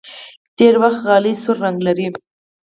ډېری وخت غالۍ سور رنګ لري.